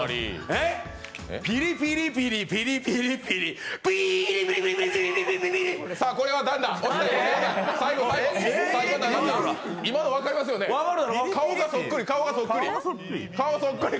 ピリピリピリピリピーリピリリリ！